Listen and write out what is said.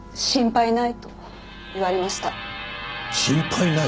「心配ない」？